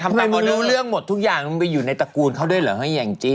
ทำไมมึงรู้เรื่องหมดทุกอย่างมึงไปอยู่ในตระกูลเขาด้วยเหรอยังจิ